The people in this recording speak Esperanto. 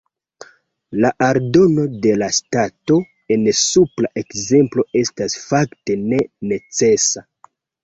La aldono de la ŝtato en supra ekzemplo estas fakte ne necesa.